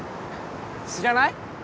知らない？